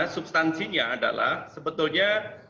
substansinya adalah sebetulnya